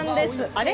あれ？